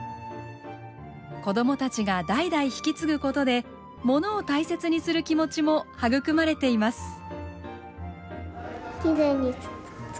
子供たちが代々引き継ぐことでものを大切にする気持ちも育まれています。